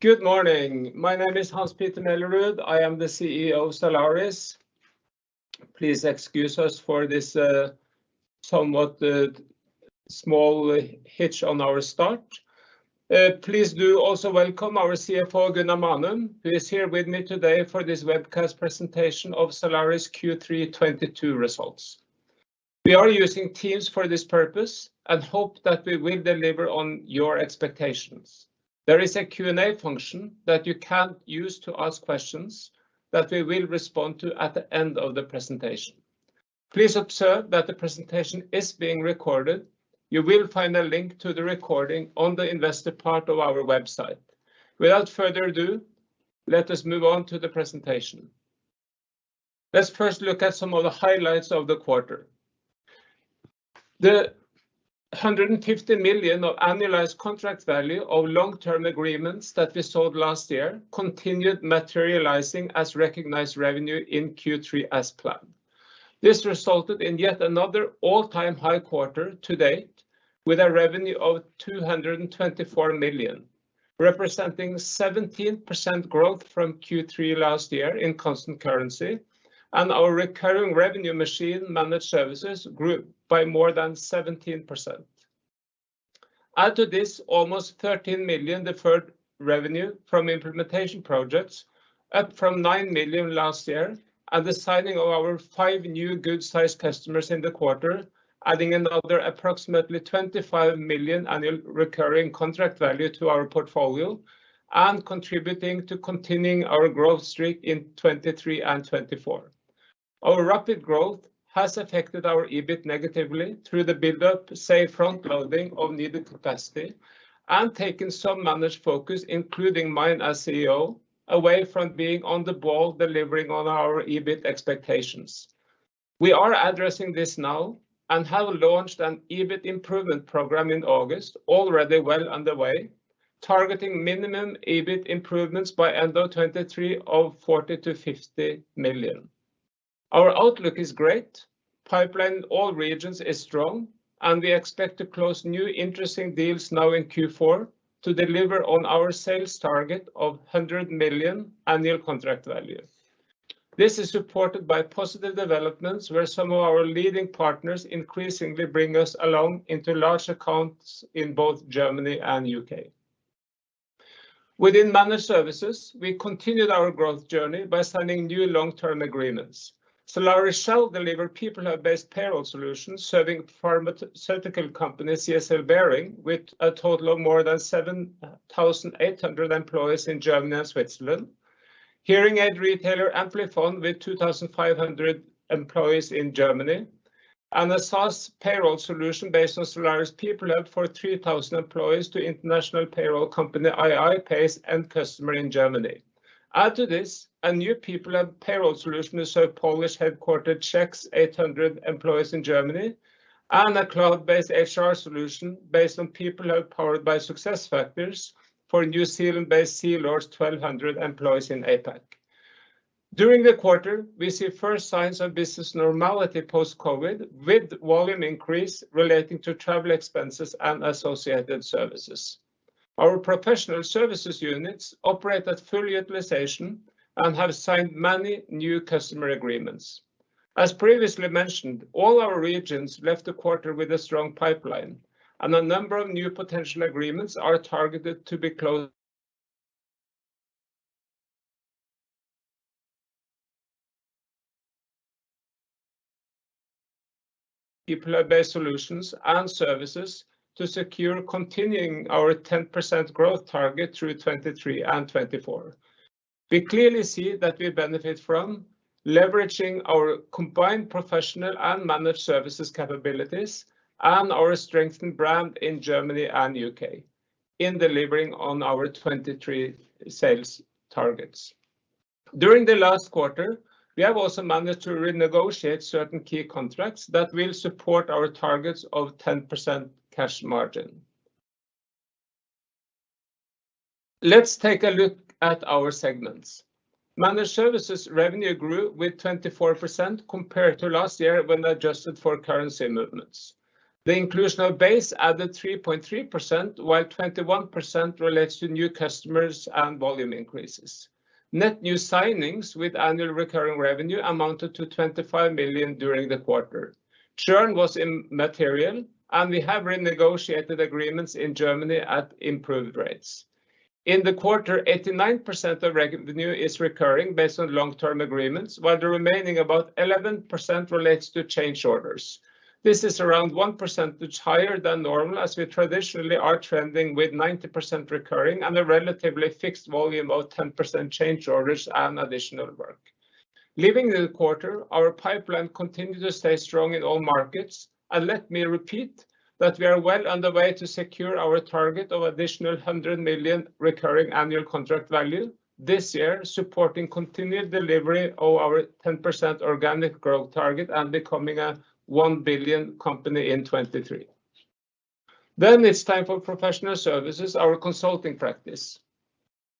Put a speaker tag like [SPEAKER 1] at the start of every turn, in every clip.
[SPEAKER 1] Good morning. My name is Hans-Petter Mellerud. I am the CEO of Zalaris. Please excuse us for this somewhat small hitch on our start. Please do also welcome our CFO, Gunnar Manum, who is here with me today for this webcast presentation of Zalaris Q3 2022 results. We are using Teams for this purpose and hope that we will deliver on your expectations. There is a Q&A function that you can use to ask questions that we will respond to at the end of the presentation. Please observe that the presentation is being recorded. You will find a link to the recording on the investor part of our website. Without further ado, let us move on to the presentation. Let's first look at some of the highlights of the quarter. The 150 million of annualized contract value of long-term agreements that we sold last year continued materializing as recognized revenue in Q3 as planned. This resulted in yet another all-time high quarter to date with a revenue of 224 million, representing 17% growth from Q3 last year in constant currency and our recurring revenue machine managed services grew by more than 17%. Add to this almost 13 million deferred revenue from implementation projects, up from 9 million last year, and the signing of our five new good-sized customers in the quarter, adding another approximately 25 million annual recurring contract value to our portfolio and contributing to continuing our growth streak in 2023 and 2024. Our rapid growth has affected our EBIT negatively through the buildup, say, frontloading of needed capacity and taking some management focus, including mine as CEO, away from being on the ball, delivering on our EBIT expectations. We are addressing this now and have launched an EBIT improvement program in August, already well underway, targeting minimum EBIT improvements by end of 2023 of 40-50 million. Our outlook is great. Pipeline in all regions is strong, and we expect to close new interesting deals now in Q4 to deliver on our sales target of 100 million annual contract value. This is supported by positive developments where some of our leading partners increasingly bring us along into large accounts in both Germany and U.K. Within Managed Services, we continued our growth journey by signing new long-term agreements. Zalaris shall deliver PeopleHub-based payroll solutions, serving pharmaceutical company CSL Behring with a total of more than 7,800 employees in Germany and Switzerland. Hearing aid retailer Amplifon with 2,500 employees in Germany and a SaaS payroll solution based on Zalaris PeopleHub for 3,000 employees to international payroll company iiPay end customer in Germany. Add to this, a new PeopleHub payroll solution to serve Czech-headquartered ČEZ 800 employees in Germany and a cloud-based HR solution based on PeopleHub powered by SuccessFactors for New Zealand-based Sealord's 1,200 employees in APAC. During the quarter, we see first signs of business normality post-COVID with volume increase relating to travel expenses and associated services. Our professional services units operate at full utilization and have signed many new customer agreements. As previously mentioned, all our regions left the quarter with a strong pipeline, and a number of new potential agreements are targeted to be closed. PeopleHub-based solutions and services to secure continuing our 10% growth target through 2023 and 2024. We clearly see that we benefit from leveraging our combined Professional Services and Managed Services capabilities and our strengthened brand in Germany and U.K. in delivering on our 2023 sales targets. During the last quarter, we have also managed to renegotiate certain key contracts that will support our targets of 10% cash margin. Let's take a look at our segments. Managed Services revenue grew with 24% compared to last year when adjusted for currency movements. The inclusion of ba.se. added 3.3%, while 21% relates to new customers and volume increases. Net new signings with annual recurring revenue amounted to 25 million during the quarter. Churn was immaterial, and we have renegotiated agreements in Germany at improved rates. In the quarter, 89% of revenue is recurring based on long-term agreements, while the remaining about 11% relates to change orders. This is around 1% higher than normal, as we traditionally are trending with 90% recurring and a relatively fixed volume of 10% change orders and additional work. Leaving the quarter, our pipeline continued to stay strong in all markets. Let me repeat that we are well on the way to secure our target of additional 100 million recurring annual contract value this year, supporting continued delivery of our 10% organic growth target and becoming a 1 billion company in 2023. It's time for Professional Services, our consulting practice.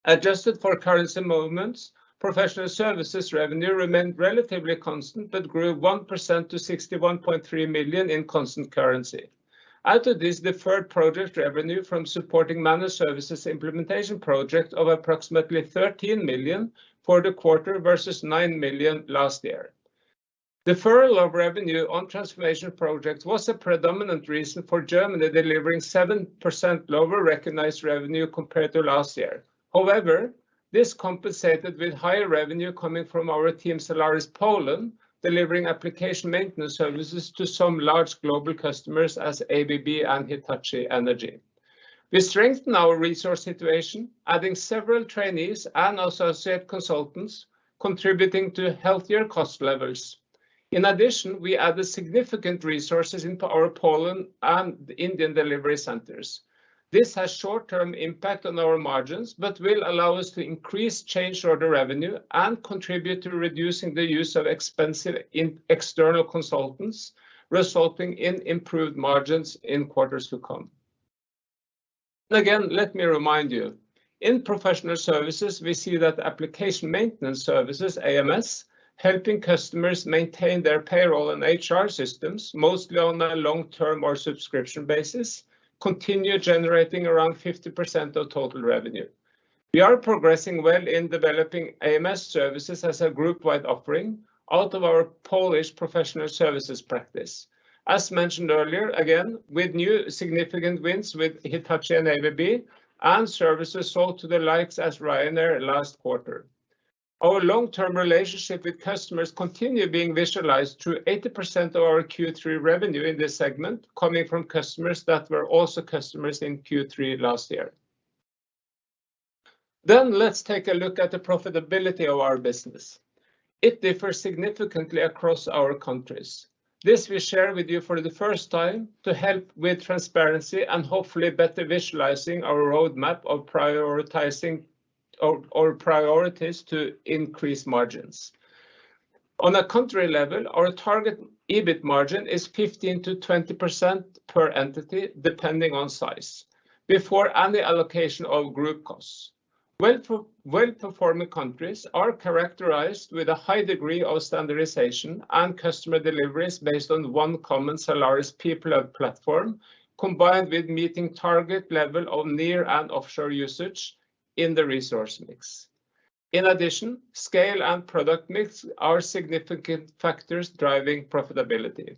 [SPEAKER 1] Adjusted for currency movements, Professional Services revenue remained relatively constant but grew 1% to 61.3 million in constant currency. Out of this deferred project revenue from supporting managed services implementation project of approximately 13 million for the quarter versus 9 million last year. Deferral of revenue on transformation projects was a predominant reason for Germany delivering 7% lower recognized revenue compared to last year. However, this compensated with higher revenue coming from our Team Zalaris Poland, delivering application maintenance services to some large global customers as ABB and Hitachi Energy. We strengthen our resource situation, adding several trainees and associate consultants contributing to healthier cost levels. In addition, we added significant resources into our Poland and Indian delivery centers. This has short term impact on our margins, but will allow us to increase change order revenue and contribute to reducing the use of expensive external consultants, resulting in improved margins in quarters to come. Again, let me remind you, in Professional Services we see that application maintenance services, AMS, helping customers maintain their payroll and HR systems, mostly on a long-term or subscription basis, continue generating around 50% of total revenue. We are progressing well in developing AMS services as a group-wide offering out of our Polish Professional Services practice. As mentioned earlier, again, with new significant wins with Hitachi and ABB and services sold such as Ryanair last quarter. Our long-term relationship with customers continue being visualized through 80% of our Q3 revenue in this segment coming from customers that were also customers in Q3 last year. Let's take a look at the profitability of our business. It differs significantly across our countries. This we share with you for the first time to help with transparency and hopefully better visualizing our roadmap of prioritizing priorities to increase margins. On a country level, our target EBIT margin is 15%-20% per entity depending on size before any allocation of group costs. Well-performing countries are characterized with a high degree of standardization and customer deliveries based on one common Zalaris PeopleHub platform, combined with meeting target level of near and offshore usage in the resource mix. In addition, scale and product mix are significant factors driving profitability.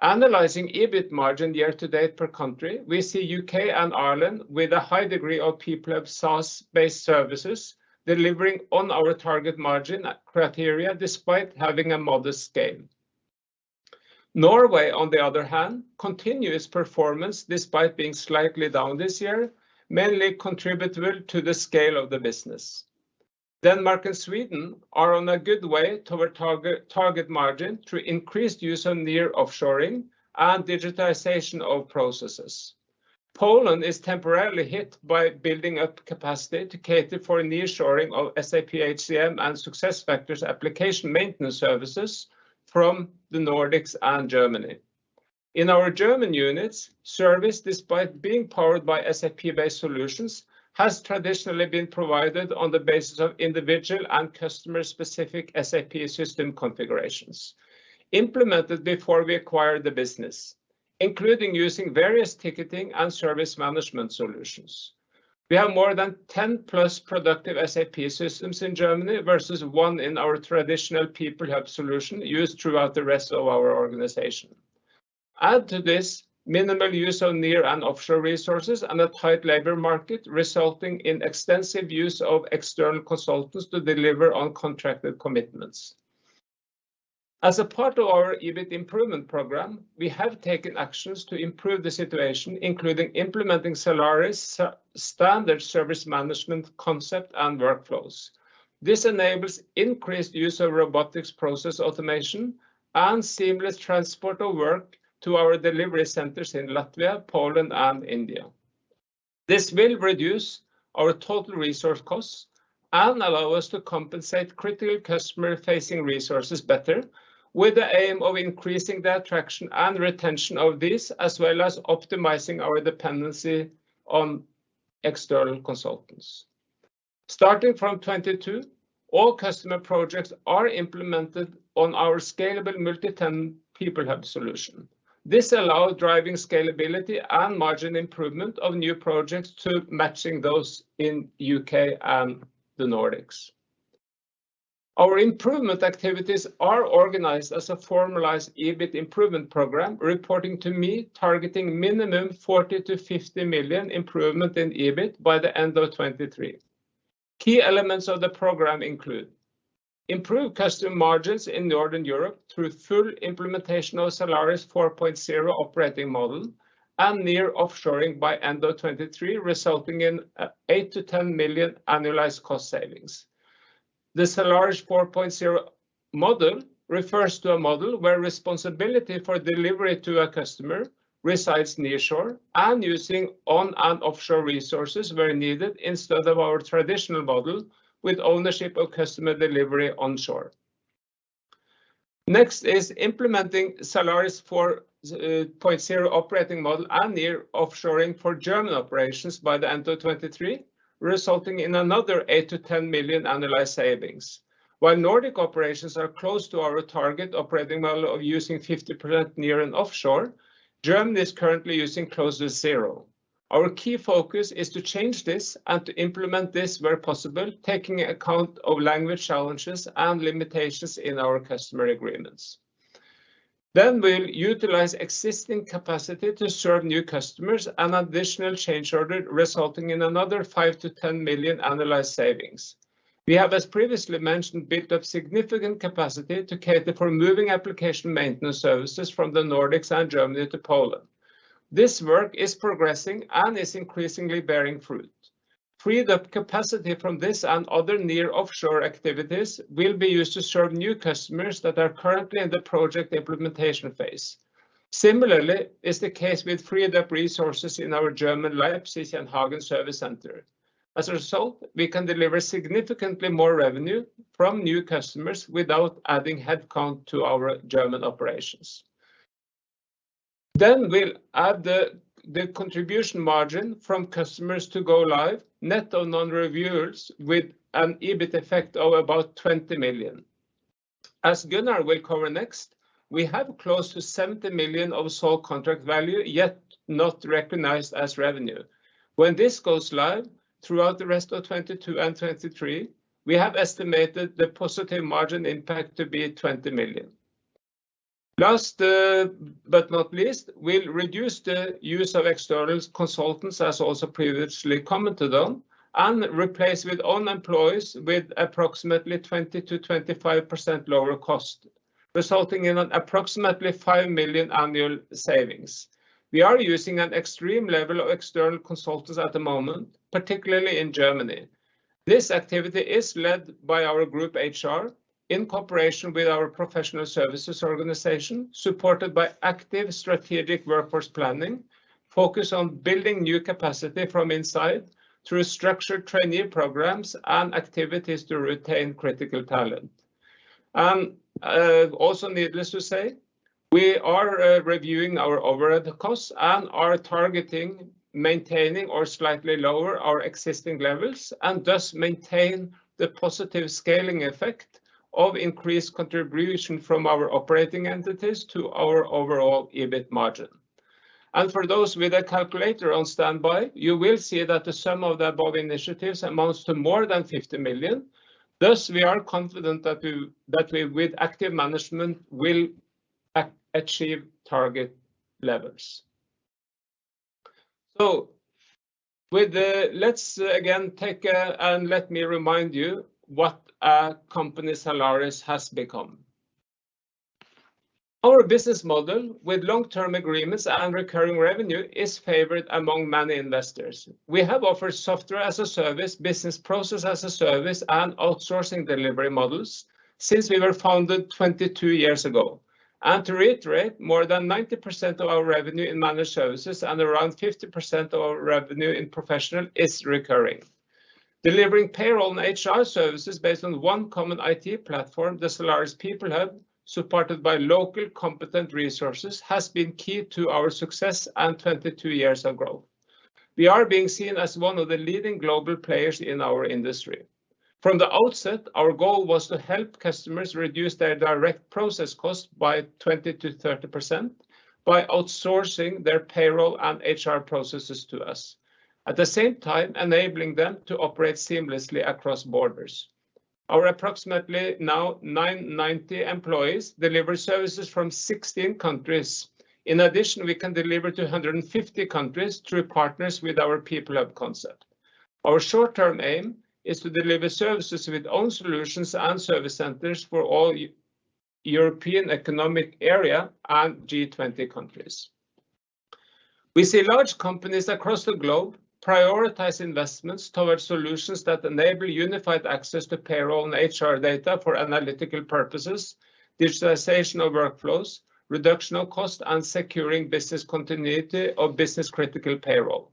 [SPEAKER 1] Analyzing EBIT margin year to date per country, we see UK and Ireland with a high degree of PeopleHub SaaS based services delivering on our target margin criteria despite having a modest scale. Norway, on the other hand, continues its performance despite being slightly down this year, mainly attributable to the scale of the business. Denmark and Sweden are on a good way toward target margin through increased use of nearshoring and digitization of processes. Poland is temporarily hit by building up capacity to cater for nearshoring of SAP HCM and SuccessFactors application maintenance services from the Nordics and Germany. In our German units, service, despite being powered by SAP-based solutions, has traditionally been provided on the basis of individual and customer-specific SAP system configurations implemented before we acquired the business, including using various ticketing and service management solutions. We have more than 10+ productive SAP systems in Germany versus one in our traditional PeopleHub solution used throughout the rest of our organization. Add to this minimal use of near and offshore resources and a tight labor market resulting in extensive use of external consultants to deliver on contracted commitments. As a part of our EBIT improvement program, we have taken actions to improve the situation, including implementing Zalaris standard service management concept and workflows. This enables increased use of robotic process automation and seamless transport of work to our delivery centers in Latvia, Poland and India. This will reduce our total resource costs and allow us to compensate critical customer facing resources better with the aim of increasing the attraction and retention of these, as well as optimizing our dependency on external consultants. Starting from 2022, all customer projects are implemented on our scalable multi-tenant PeopleHub solution. This allows driving scalability and margin improvement of new projects to matching those in U.K. and the Nordics. Our improvement activities are organized as a formalized EBIT improvement program reporting to me targeting minimum 40-50 million improvement in EBIT by the end of 2023. Key elements of the program include improved customer margins in Northern Europe through full implementation of Zalaris 4.0 operating model and nearshoring by end of 2023, resulting in 8-10 million annualized cost savings. The Zalaris 4.0 model refers to a model where responsibility for delivery to a customer resides nearshore and using onshore and offshore resources where needed instead of our traditional model with ownership of customer delivery onshore. Next is implementing Zalaris 4.0 operating model and nearshoring for German operations by the end of 2023, resulting in another 8-10 million annualized savings. While Nordic operations are close to our target operating model of using 50% near and offshore, Germany is currently using close to zero. Our key focus is to change this and to implement this where possible, taking account of language challenges and limitations in our customer agreements. We'll utilize existing capacity to serve new customers and additional change order resulting in another 5 million-10 million annualized savings. We have, as previously mentioned, built up significant capacity to cater for moving application maintenance services from the Nordics and Germany to Poland. This work is progressing and is increasingly bearing fruit. Freed up capacity from this and other near offshore activities will be used to serve new customers that are currently in the project implementation phase. Similarly, is the case with freed up resources in our German Leipzig and Hagen service center. As a result, we can deliver significantly more revenue from new customers without adding headcount to our German operations. We'll add the contribution margin from customers to go live, net of non-renewals, with an EBIT effect of about 20 million. As Gunnar will cover next, we have close to 70 million of sole contract value yet not recognized as revenue. When this goes live throughout the rest of 2022 and 2023, we have estimated the positive margin impact to be 20 million. Last, but not least, we'll reduce the use of external consultants, as also previously commented on, and replace with own employees with approximately 20%-25% lower cost, resulting in an approximately 5 million annual savings. We are using an extreme level of external consultants at the moment, particularly in Germany. This activity is led by our Group HR in cooperation with our Professional Services organization, supported by active strategic workforce planning, focused on building new capacity from inside through structured trainee programs and activities to retain critical talent. Also needless to say, we are reviewing our overhead costs and are targeting maintaining or slightly lower our existing levels, and thus maintain the positive scaling effect of increased contribution from our operating entities to our overall EBIT margin. For those with a calculator on standby, you will see that the sum of the above initiatives amounts to more than 50 million. Thus we are confident that we, with active management, will achieve target levels. With that, let's again and let me remind you what company Zalaris has become. Our business model with long-term agreements and recurring revenue is favored among many investors. We have offered software as a service, business process as a service, and outsourcing delivery models since we were founded 22 years ago. To reiterate, more than 90% of our revenue in managed services and around 50% of revenue in professional is recurring. Delivering payroll and HR services based on one common IT platform, the Zalaris PeopleHub, supported by local competent resources, has been key to our success and 22 years of growth. We are being seen as one of the leading global players in our industry. From the outset, our goal was to help customers reduce their direct process cost by 20%-30% by outsourcing their payroll and HR processes to us, at the same time enabling them to operate seamlessly across borders. Our approximately 990 employees deliver services from 16 countries. In addition, we can deliver to 150 countries through partners with our PeopleHub concept. Our short-term aim is to deliver services with own solutions and service centers for all European Economic Area and G20 countries. We see large companies across the globe prioritize investments towards solutions that enable unified access to payroll and HR data for analytical purposes, digitalization of workflows, reduction of cost, and securing business continuity of business critical payroll.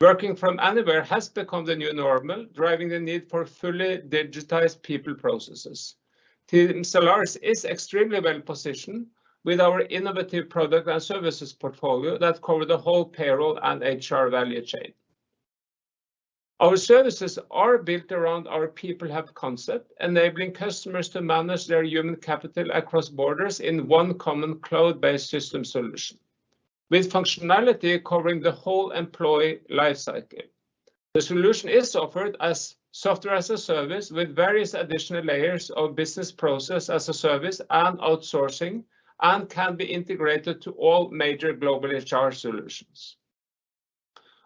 [SPEAKER 1] Working from anywhere has become the new normal, driving the need for fully digitized people processes. Zalaris is extremely well positioned with our innovative product and services portfolio that cover the whole payroll and HR value chain. Our services are built around our People Hub concept, enabling customers to manage their human capital across borders in one common cloud-based system solution, with functionality covering the whole employee life cycle. The solution is offered as software as a service with various additional layers of business process as a service and outsourcing, and can be integrated to all major global HR solutions.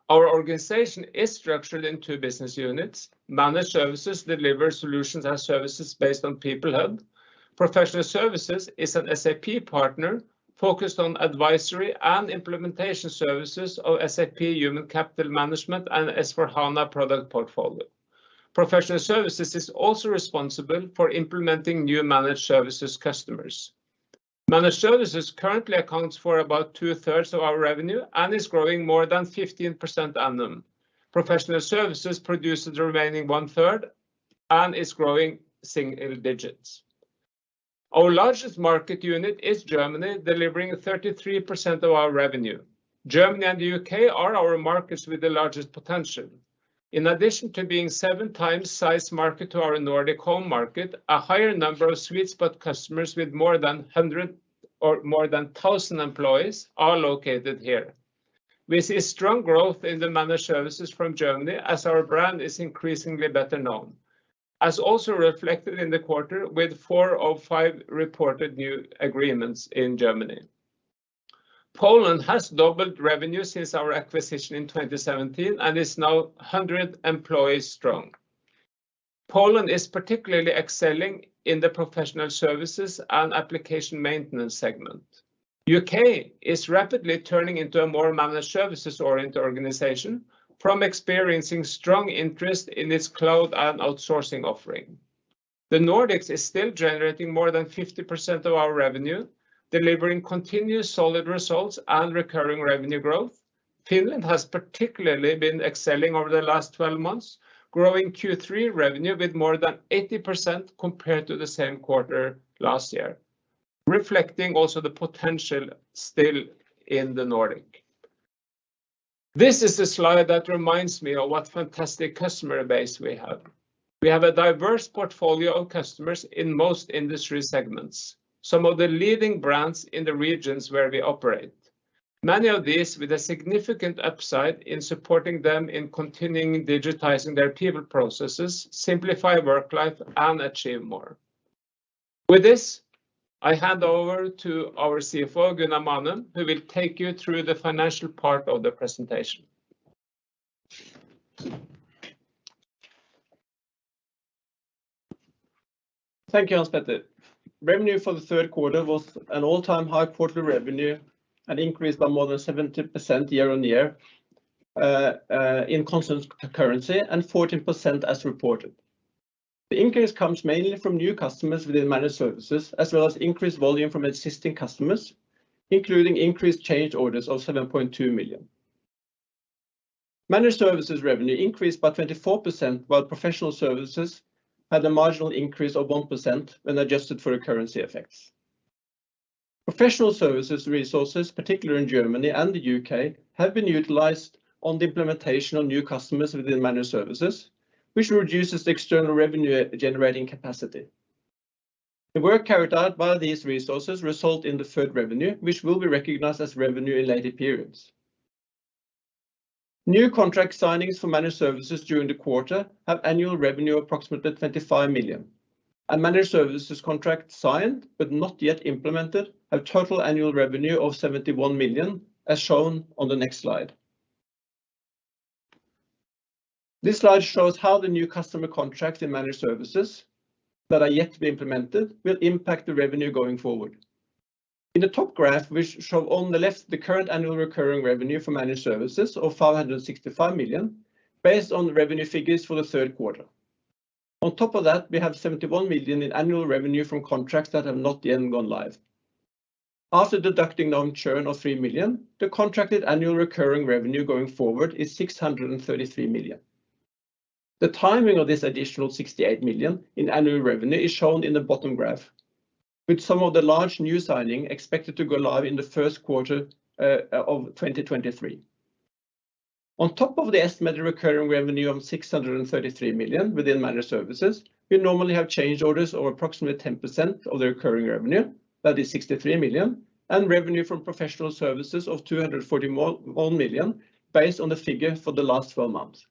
[SPEAKER 1] Our organization is structured in two business units. Managed Services deliver solutions and services based on People Hub. Professional Services is an SAP partner focused on advisory and implementation services of SAP Human Capital Management and S/4HANA product portfolio. Professional Services is also responsible for implementing new Managed Services customers. Managed Services currently accounts for about 2/3 of our revenue and is growing more than 15% per annum. Professional Services produces the remaining 1/3 and is growing single digits. Our largest market unit is Germany, delivering 33% of our revenue. Germany and the U.K. are our markets with the largest potential. In addition to being 7x the size of the market to our Nordic home market, a higher number of sweet spot customers with more than 100 or more than 1,000 employees are located here. We see strong growth in the managed services from Germany as our brand is increasingly better known, as also reflected in the quarter with four of 5 reported new agreements in Germany. Poland has doubled revenue since our acquisition in 2017 and is now 100 employees strong. Poland is particularly excelling in the professional services and application maintenance segment. The U.K. is rapidly turning into a more managed services-oriented organization from experiencing strong interest in its cloud and outsourcing offering. The Nordics is still generating more than 50% of our revenue, delivering continuous solid results and recurring revenue growth. Finland has particularly been excelling over the last 12 months, growing Q3 revenue with more than 80% compared to the same quarter last year, reflecting also the potential still in the Nordic. This is a slide that reminds me of what fantastic customer base we have. We have a diverse portfolio of customers in most industry segments, some of the leading brands in the regions where we operate. Many of these with a significant upside in supporting them in continuing digitizing their people processes, simplify work life, and achieve more. With this, I hand over to our CFO, Gunnar Manum, who will take you through the financial part of the presentation.
[SPEAKER 2] Thank you, Hans-Petter. Revenue for the third quarter was an all-time high quarterly revenue, an increase by more than 70% year-on-year in constant currency and 14% as reported. The increase comes mainly from new customers within Managed Services, as well as increased volume from existing customers, including increased change orders of 7.2 million. Managed Services revenue increased by 24%, while Professional Services had a marginal increase of 1% when adjusted for currency effects. Professional Services resources, particularly in Germany and the U.K., have been utilized on the implementation of new customers within Managed Services, which reduces the external revenue generating capacity. The work carried out by these resources result in deferred revenue, which will be recognized as revenue in later periods. New contract signings for Managed Services during the quarter have annual revenue approximately 25 million, and managed services contract signed but not yet implemented have total annual revenue of 71 million, as shown on the next slide. This slide shows how the new customer contracts in Managed Services that are yet to be implemented will impact the revenue going forward. In the top graph, we show on the left the current annual recurring revenue for Managed Services of 565 million based on revenue figures for the third quarter. On top of that, we have 71 million in annual revenue from contracts that have not yet gone live. After deducting non-churn of 3 million, the contracted annual recurring revenue going forward is 633 million. The timing of this additional 68 million in annual revenue is shown in the bottom graph, with some of the large new signing expected to go live in the first quarter of 2023. On top of the estimated recurring revenue of 633 million within Managed Services, we normally have change orders of approximately 10% of the recurring revenue, that is 63 million, and revenue from Professional Services of 241 million based on the figure for the last four months.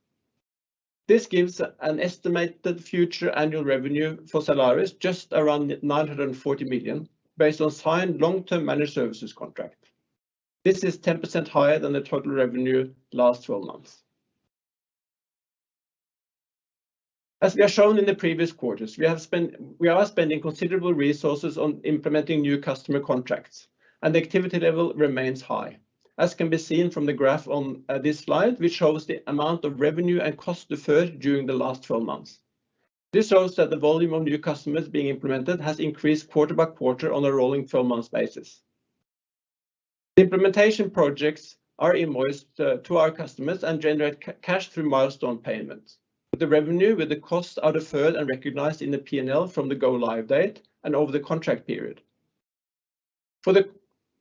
[SPEAKER 2] This gives an estimated future annual revenue for Zalaris just around 940 million based on signed long-term Managed Services contract. This is 10% higher than the total revenue last 12 months. As we have shown in the previous quarters, we are spending considerable resources on implementing new customer contracts, and the activity level remains high, as can be seen from the graph on this slide, which shows the amount of revenue and cost deferred during the last 12 months. This shows that the volume of new customers being implemented has increased quarter by quarter on a rolling 4 months basis. The implementation projects are invoiced to our customers and generate cash through milestone payments, but the revenue with the costs are deferred and recognized in the P&L from the go live date and over the contract period. For the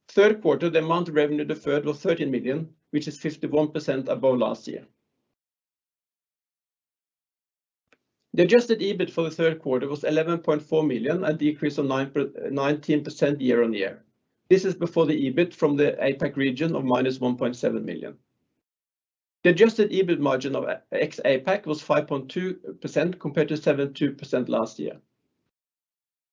[SPEAKER 2] third quarter, the amount of revenue deferred was 13 million, which is 51% above last year. The adjusted EBIT for the third quarter was 11.4 million, a decrease of 19% year-on-year. This is before the EBIT from the APAC region of -1.7 million. The adjusted EBIT margin ex-APAC was 5.2% compared to 7.2% last year.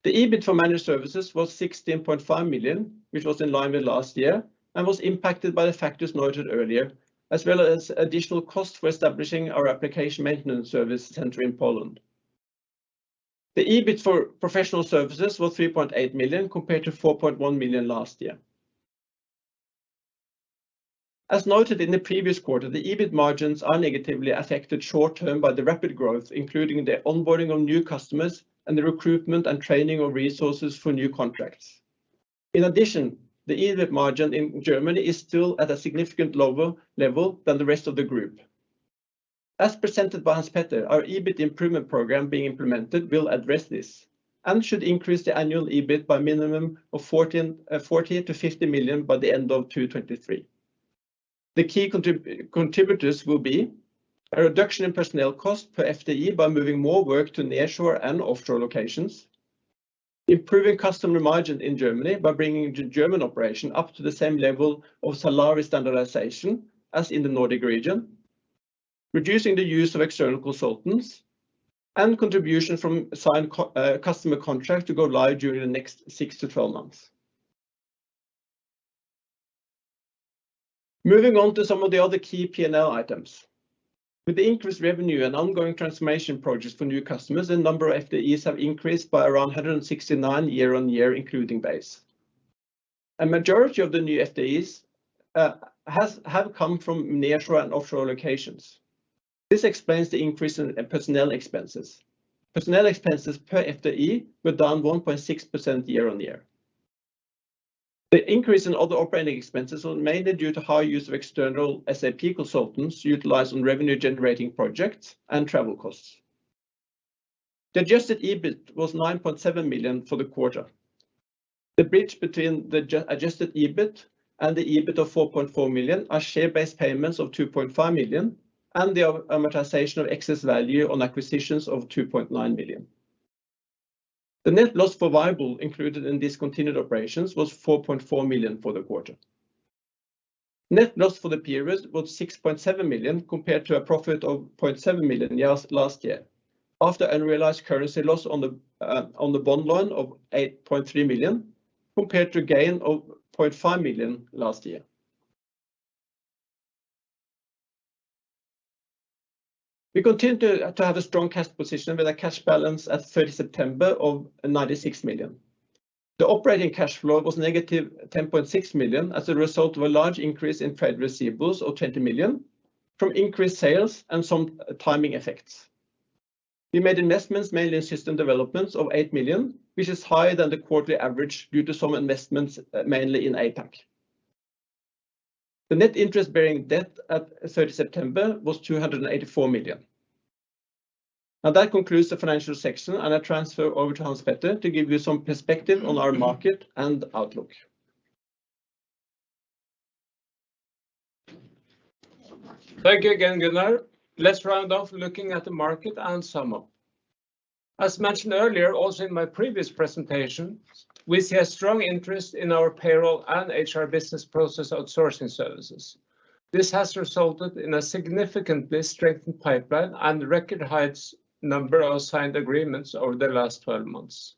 [SPEAKER 2] The EBIT for managed services was 16.5 million, which was in line with last year and was impacted by the factors noted earlier, as well as additional costs for establishing our application maintenance service center in Poland. The EBIT for professional services was 3.8 million compared to 4.1 million last year. As noted in the previous quarter, the EBIT margins are negatively affected short-term by the rapid growth, including the onboarding of new customers and the recruitment and training of resources for new contracts. In addition, the EBIT margin in Germany is still at a significantly lower level than the rest of the group. As presented by Hans-Petter, our EBIT improvement program being implemented will address this and should increase the annual EBIT by a minimum of 40-50 million NOK by the end of 2023. The key contributors will be a reduction in personnel cost per FTE by moving more work to nearshore and offshore locations, improving customer margin in Germany by bringing the German operation up to the same level of Zalaris standardization as in the Nordic region, reducing the use of external consultants, and contribution from signed customer contract to go live during the next 6-12 months. Moving on to some of the other key P&L items. With the increased revenue and ongoing transformation projects for new customers, the number of FTEs have increased by around 169 year-over-year, including ba.se. A majority of the new FTEs have come from nearshore and offshore locations. This explains the increase in personnel expenses. Personnel expenses per FTE were down 1.6% year-over-year. The increase in other operating expenses was mainly due to high use of external SAP consultants utilized on revenue generating projects and travel costs. The adjusted EBIT was 9.7 million for the quarter. The bridge between the adjusted EBIT and the EBIT of 4.4 million are share-based payments of 2.5 million and the amortization of excess value on acquisitions of 2.9 million. The net loss for vyble included in discontinued operations was 4.4 million for the quarter. Net loss for the period was 6.7 million compared to a profit of 0.7 million last year, after unrealized currency loss on the bottom line of 8.3 million compared to a gain of 0.5 million last year. We continue to have a strong cash position with a cash balance at 30 September of 96 million. The operating cash flow was negative 10.6 million as a result of a large increase in trade receivables of 20 million from increased sales and some timing effects. We made investments mainly in system developments of 8 million, which is higher than the quarterly average due to some investments mainly in APAC. The net interest-bearing debt at 30 September was 284 million. Now that concludes the financial section, and I transfer over to Hans-Petter to give you some perspective on our market and outlook.
[SPEAKER 1] Thank you again, Gunnar. Let's round off looking at the market and sum up. As mentioned earlier, also in my previous presentation, we see a strong interest in our payroll and HR business process outsourcing services. This has resulted in a significantly strengthened pipeline and record-high number of signed agreements over the last 12 months.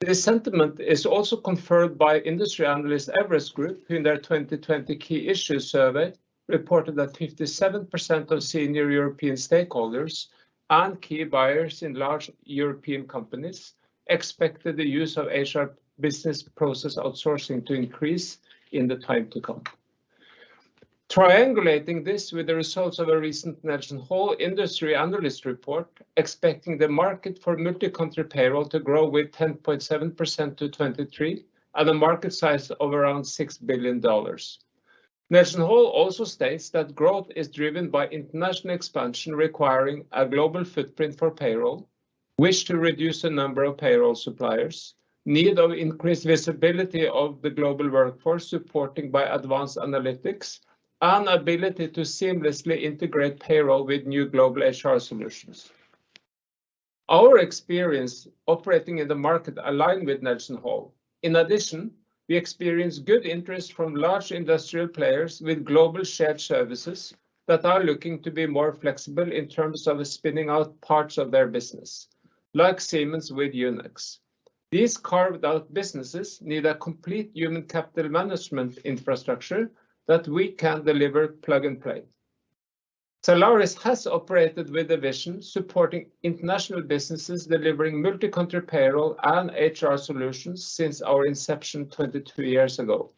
[SPEAKER 1] This sentiment is also confirmed by industry analyst Everest Group, who in their 2020 key issues survey reported that 57% of senior European stakeholders and key buyers in large European companies expected the use of HR business process outsourcing to increase in the time to come. Triangulating this with the results of a recent NelsonHall industry analyst report expecting the market for multi-country payroll to grow with 10.7% to 2023 at a market size of around $6 billion. NelsonHall also states that growth is driven by international expansion requiring a global footprint for payroll, wish to reduce the number of payroll suppliers, need of increased visibility of the global workforce supported by advanced analytics, and ability to seamlessly integrate payroll with new global HR solutions. Our experience operating in the market aligns with NelsonHall. In addition, we experience good interest from large industrial players with global shared services that are looking to be more flexible in terms of spinning out parts of their business, like Siemens with Unify. These carved-out businesses need a complete human capital management infrastructure that we can deliver plug and play. Zalaris has operated with a vision supporting international businesses delivering multi-country payroll and HR solutions since our inception 22 years ago.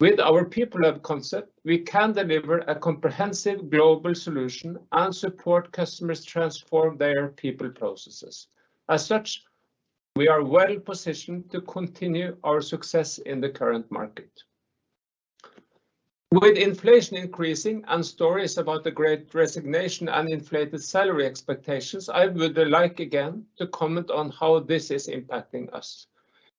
[SPEAKER 1] With our PeopleHub concept, we can deliver a comprehensive global solution and support customers transform their people processes. As such, we are well positioned to continue our success in the current market. With inflation increasing and stories about the great resignation and inflated salary expectations, I would like again to comment on how this is impacting us.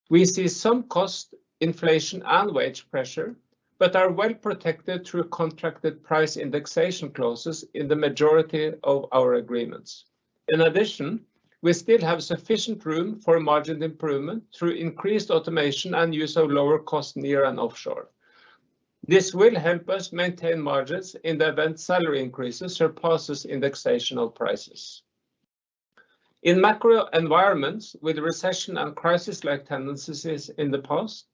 [SPEAKER 1] We see some cost inflation and wage pressure, but are well protected through contracted price indexation clauses in the majority of our agreements. In addition, we still have sufficient room for margin improvement through increased automation and use of lower cost near and offshore. This will help us maintain margins in the event salary increases surpasses indexational prices. In macro environments with recession and crisis-like tendencies in the past,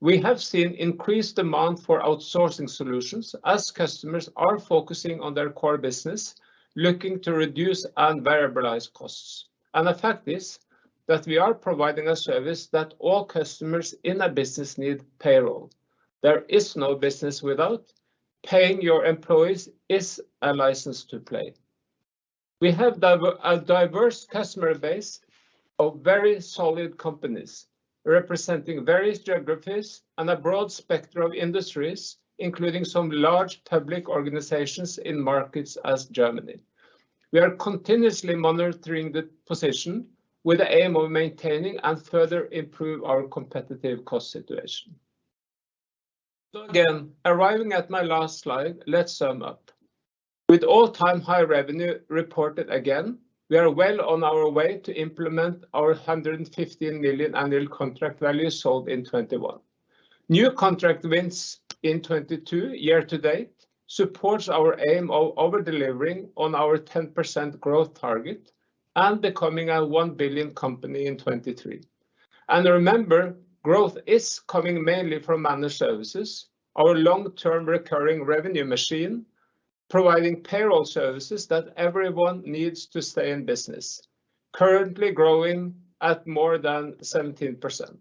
[SPEAKER 1] we have seen increased demand for outsourcing solutions as customers are focusing on their core business, looking to reduce variable costs. The fact is that we are providing a service that all customers in a business need payroll. There is no business without paying your employees is a license to play. We have a diverse customer base of very solid companies representing various geographies and a broad spectrum of industries, including some large public organizations in markets such as Germany. We are continuously monitoring the position with the aim of maintaining and further improve our competitive cost situation. Again, arriving at my last slide, let's sum up. With all-time high revenue reported again, we are well on our way to implement our 115 million annual contract value sold in 2021. New contract wins in 2022 year to date supports our aim of over-delivering on our 10% growth target and becoming a 1 billion company in 2023. Remember, growth is coming mainly from Managed Services, our long-term recurring revenue machine, providing payroll services that everyone needs to stay in business, currently growing at more than 17%.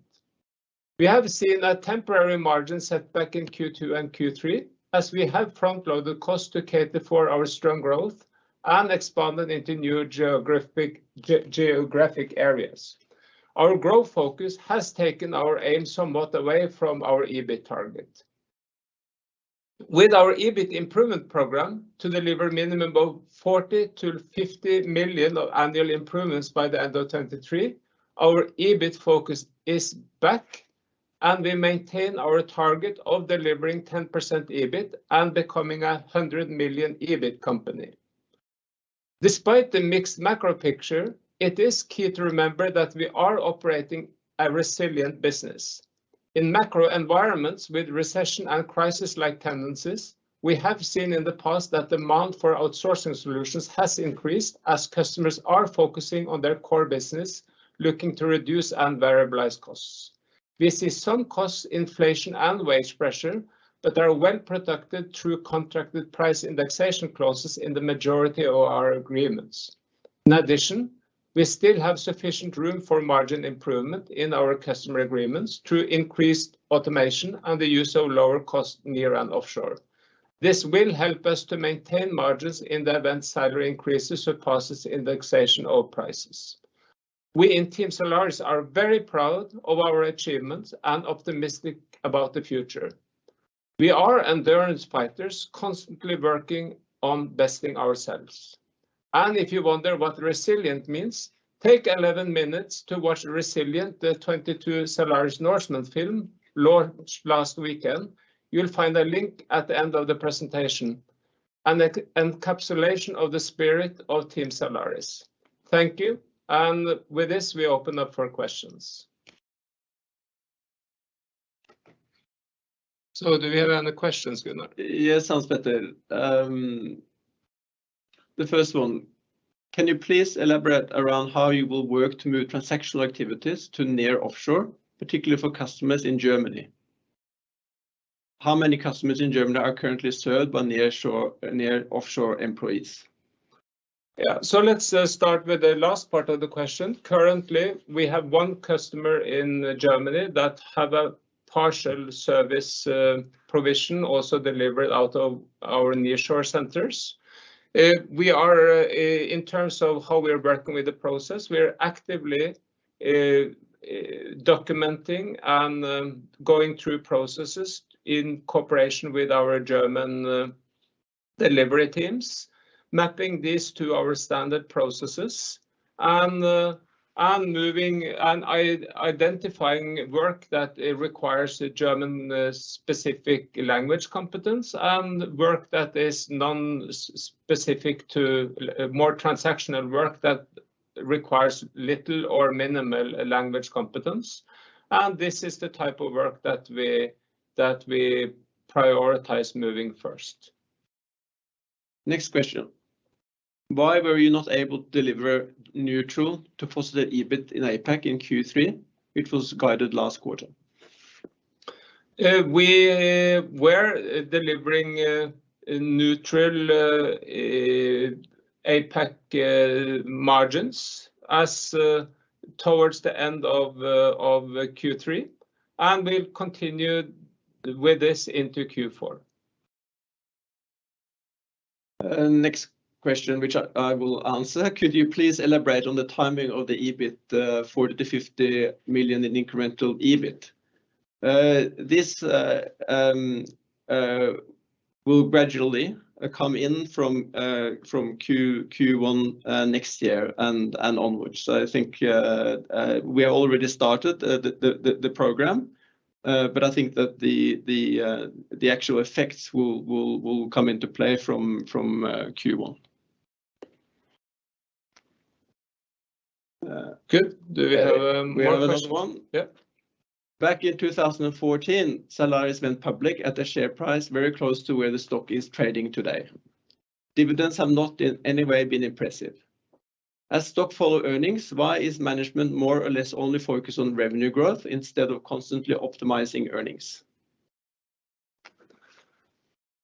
[SPEAKER 1] We have seen a temporary margin setback in Q2 and Q3 as we have front-loaded cost to cater for our strong growth and expanded into new geographic areas. Our growth focus has taken our aim somewhat away from our EBIT target. With our EBIT improvement program to deliver minimum of 40-50 million of annual improvements by the end of 2023, our EBIT focus is back, and we maintain our target of delivering 10% EBIT and becoming a 100 million EBIT company. Despite the mixed macro picture, it is key to remember that we are operating a resilient business. In macro environments with recession and crisis-like tendencies, we have seen in the past that demand for outsourcing solutions has increased as customers are focusing on their core business, looking to reduce and variabilize costs. We see some cost inflation and wage pressure, but are well protected through contracted price indexation clauses in the majority of our agreements. In addition, we still have sufficient room for margin improvement in our customer agreements through increased automation and the use of lower cost near and offshore. This will help us to maintain margins in the event salary increases surpasses indexation of prices. We in Team Zalaris are very proud of our achievements and optimistic about the future. We are endurance fighters constantly working on besting ourselves. If you wonder what resilient means, take 11 minutes to watch Resilient, the 2022 Zalaris Norseman film launched last weekend. You'll find a link at the end of the presentation, an encapsulation of the spirit of Team Zalaris. Thank you, and with this, we open up for questions. Do we have any questions, Gunnar?
[SPEAKER 2] Yeah, Hans-Petter. The first one, can you please elaborate around how you will work to move transactional activities to near offshore, particularly for customers in Germany? How many customers in Germany are currently served by nearshore, near offshore employees?
[SPEAKER 1] Yeah. Let's start with the last part of the question. Currently, we have one customer in Germany that have a partial service provision also delivered out of our nearshore centers. We are in terms of how we are working with the process, we are actively documenting and going through processes in cooperation with our German delivery teams, mapping this to our standard processes and moving and identifying work that it requires the German specific language competence and work that is non-specific to more transactional work that requires little or minimal language competence, and this is the type of work that we prioritize moving first.
[SPEAKER 2] Next question: Why were you not able to deliver neutral to positive EBIT in APAC in Q3, which was guided last quarter?
[SPEAKER 1] We were delivering neutral APAC margins towards the end of Q3, and we'll continue with this into Q4.
[SPEAKER 2] Next question, which I will answer: Could you please elaborate on the timing of the EBIT, 40 million-50 million in incremental EBIT? This will gradually come in from Q1 next year and onwards. I think we have already started the program, but I think that the actual effects will come into play from Q1.
[SPEAKER 1] Good. Do we have one question?
[SPEAKER 2] We have another one.
[SPEAKER 1] Yeah.
[SPEAKER 2] Back in 2014, Zalaris went public at a share price very close to where the stock is trading today. Dividends have not in any way been impressive. As stock follow earnings, why is management more or less only focused on revenue growth instead of constantly optimizing earnings?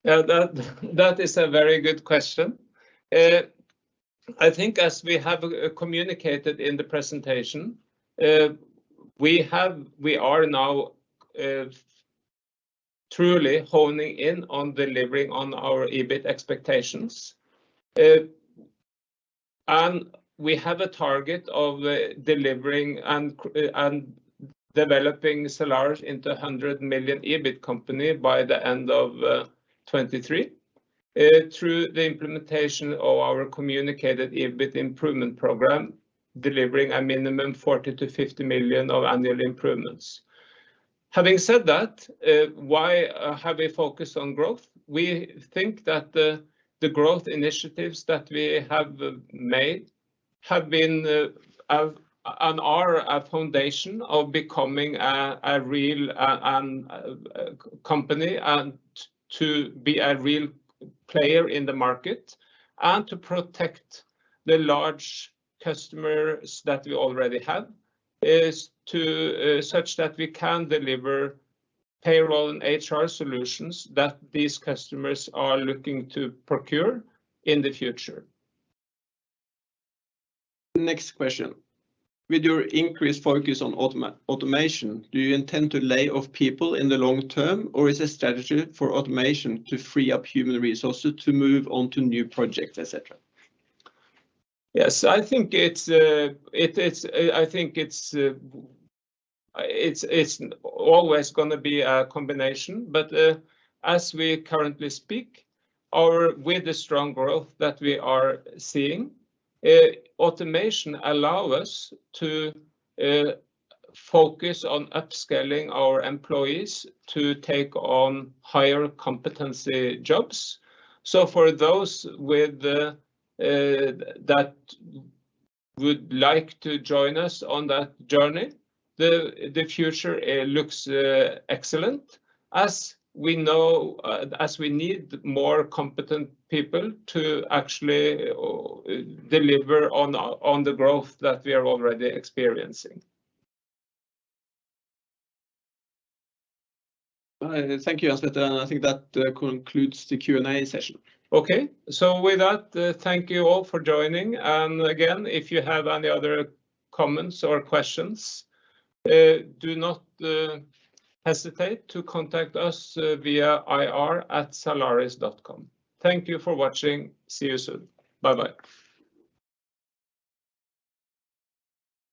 [SPEAKER 1] Yeah, that is a very good question. I think as we have communicated in the presentation, we are now truly honing in on delivering on our EBIT expectations. We have a target of delivering and developing Zalaris into 100 million EBIT company by the end of 2023 through the implementation of our communicated EBIT improvement program, delivering a minimum 40 million-50 million of annual improvements. Having said that, why have we focused on growth? We think that the growth initiatives that we have made have been are a foundation of becoming a real company and to be a real player in the market and to protect the large customers that we already have, is to such that we can deliver payroll and HR solutions that these customers are looking to procure in the future.
[SPEAKER 2] Next question. With your increased focus on automation, do you intend to lay off people in the long term, or is the strategy for automation to free up human resources to move on to new projects, et cetera?
[SPEAKER 1] Yes, I think it's always gonna be a combination. As we currently speak, with the strong growth that we are seeing, automation allow us to focus on upscaling our employees to take on higher competency jobs. For those that would like to join us on that journey, the future looks excellent as we know, as we need more competent people to actually deliver on the growth that we are already experiencing.
[SPEAKER 2] Thank you, Hans-Petter. I think that concludes the Q&A session.
[SPEAKER 1] Okay. With that, thank you all for joining. Again, if you have any other comments or questions, do not hesitate to contact us via ir@zalaris.com. Thank you for watching. See you soon. Bye-bye.